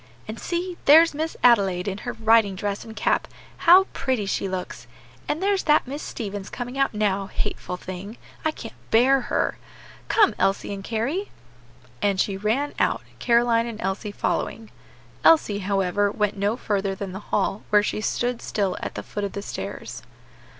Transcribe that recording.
And see, there's Miss Adelaide in her riding dress and cap; how pretty she looks! And there's that Miss Stevens coming out now; hateful thing! I can't bear her! Come, Elsie and Carry!" And she ran out, Caroline and Elsie following. Elsie, however, went no further than the hall, where she stood still at the foot of the stairs.